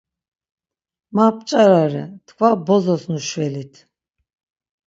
“Ma p̌ç̌arare, tkva bozos nuşvelit!”